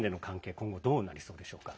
今後、どうなるでしょうか。